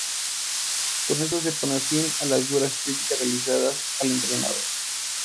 Con esto se pone fin a las duras críticas realizadas al entrenador.